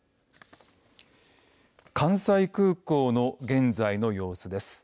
関西空港の現在の様子です。